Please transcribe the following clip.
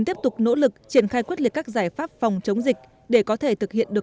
tiếp tục nỗ lực triển khai quyết liệt các giải pháp phòng chống dịch để có thể thực hiện được